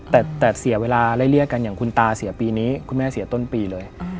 แต่เสียเวลาไล่เรียกกันอย่างคุณตาเสียปีนี้คุณแม่เสียต้นปีเลย